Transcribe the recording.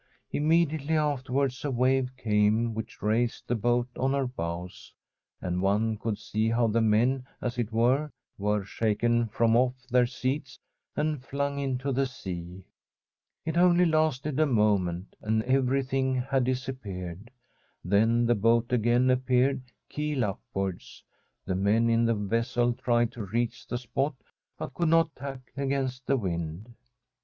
Imme diately afterwards a wave came which raised the boat on her bows, and one could see how the men, as it were, were shaken from off their seats and flung into the sea. It only lasted a moment, [ 235 ] From a SWEDISH HOMESTEAD and everything had disappeared. Then the boat " again appeared, keel upwards. The men in the vessel tried to reach the spot, but could not tack against the wind.